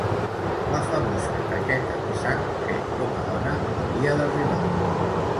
La famosa taqueta de sang que, com a dona, m'havia d'arribar.